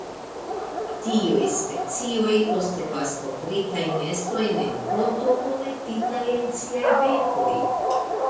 Tiuj specioj konstruas kovritajn nestojn el koto kolektita en siaj bekoj.